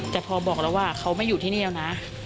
แต่พอบอกแล้วว่าเขาไม่อยู่ที่นี่แล้วนะ